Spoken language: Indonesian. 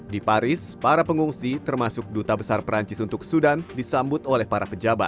di paris para pengungsi termasuk duta besar perancis untuk sudan disambut oleh para pejabat